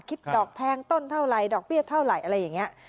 ดอกแพงต้นเท่าไรดอกเบี้ยเท่าไหร่อะไรอย่างนี้